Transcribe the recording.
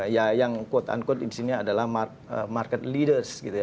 ya yang quote unquote di sini adalah market leaders gitu ya